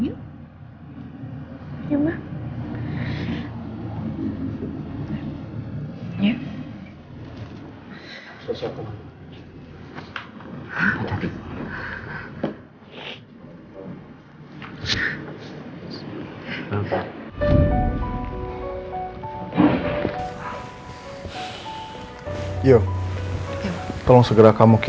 rena sekarang juga masih buku